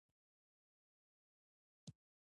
د کندهاري خویندو د عامه پوهاوي کچه لوړول یې هدف دی.